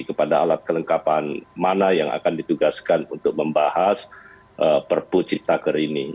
kepada alat kelengkapan mana yang akan ditugaskan untuk membahas perpu ciptaker ini